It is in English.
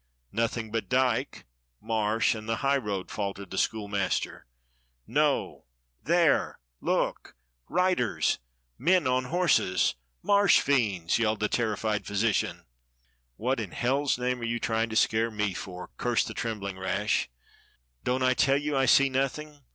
"Nothing but dyke, marsh, and the highroad," fal tered the schoolmaster. "No! There — look — riders — men on horses. Marsh fiends!" yelled the terrified physician. "What in hell's name are you trying to scare me for.^" cursed the trembling Rash. "Don't I tell you I see nothing?